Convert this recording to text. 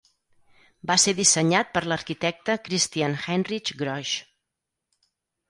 Va ser dissenyat per l'arquitecte Christian Heinrich Grosch.